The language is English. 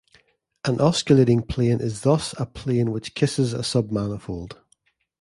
An osculating plane is thus a plane which "kisses" a submanifold.